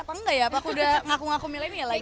apa enggak ya aku udah ngaku ngaku milenial lagi